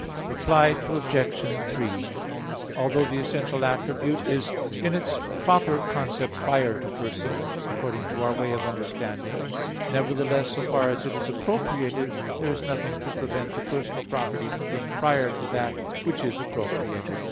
Reply Obj. 3: Although the essential attribute is in its proper concept prior to person, according to our way of understanding; nevertheless, so far as it is appropriated, there is nothing to prevent the personal property from being prior to that which is appropriated.